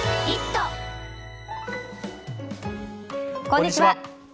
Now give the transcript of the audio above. こんにちは。